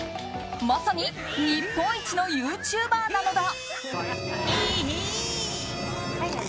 まさに日本一のユーチューバーなのだ。